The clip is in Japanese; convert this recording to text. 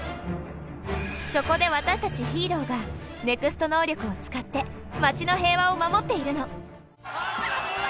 そこで私たちヒーローがＮＥＸＴ能力を使って街の平和を守っているの。